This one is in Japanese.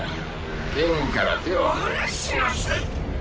剣から手を放しなさい！